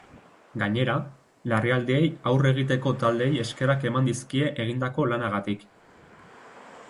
Gainera, larrialdiei aurre egiteko taldeei eskerrak eman dizkie egindako lanagatik.